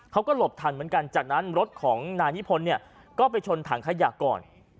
เขาก็หลบทันเหมือนกันจากนั้นรถของนายนิพนธ์เนี่ยก็ไปชนถังขยะก่อน